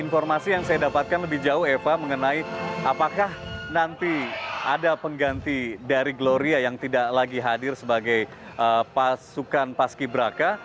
informasi yang saya dapatkan lebih jauh eva mengenai apakah nanti ada pengganti dari gloria yang tidak lagi hadir sebagai pasukan paski braka